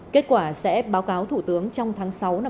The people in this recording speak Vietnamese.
kết quả sẽ báo cáo thủ tướng trong tháng sáu năm hai nghìn một mươi chín